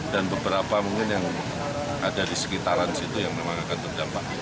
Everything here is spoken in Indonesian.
dan beberapa mungkin yang ada di sekitaran situ yang memang akan terdampak